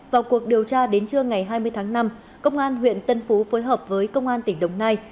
vào cuộc điều tra đến trưa ngày hai mươi tháng năm công an huyện tân phú phối hợp với công an tỉnh đồng nai